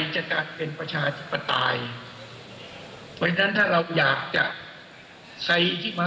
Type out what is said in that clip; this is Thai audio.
ขอให้เป็นนักการที่รักประชาชนเถอะ